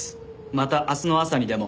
また明日の朝にでも。